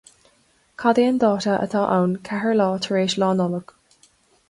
Cad é an dáta atá ann ceathair lá tar éis Lá Nollag?